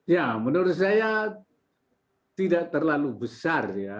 ya menurut saya tidak terlalu besar ya